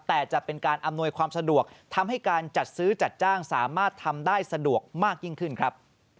แต่จะเป็นการอำนวยความสะดวกทำให้การจัดซื้อจัดจ้างสามารถทำได้สะดวกมากยิ่งขึ้นครับ